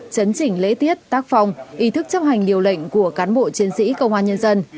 chấn chỉnh lễ tiết tác phong ý thức chấp hành điều lệnh của cán bộ chiến sĩ công an nhân dân